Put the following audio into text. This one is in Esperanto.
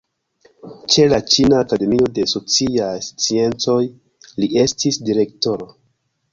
Ĉe la Ĉina Akademio de Sociaj Sciencoj li estis direktoro.